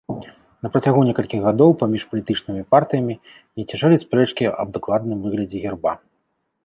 На працягу некалькіх гадоў паміж палітычнымі партыямі не цішэлі спрэчкі аб дакладным выглядзе герба.